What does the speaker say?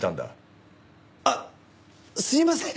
あっすいません！